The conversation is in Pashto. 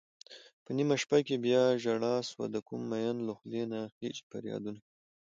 په نېمه شپه کې بياژړا سوه دکوم مين له خولې نه خيژي فريادونه